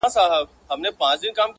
o اصل په گدله کي، کم اصل په گزبره کي!